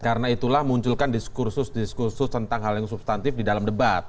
karena itulah munculkan diskursus diskursus tentang hal yang substantif di dalam debat